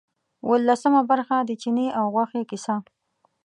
اوولسمه برخه د چیني او غوښې کیسه.